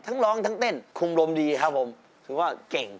ร้องทั้งเต้นคงอารมณ์ดีครับผมถือว่าเก่ง